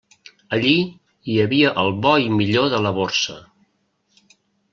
Allí hi havia el bo i millor de la Borsa.